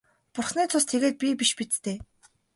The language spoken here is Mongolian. Бурхны цус тэгээд би биш биз дээ.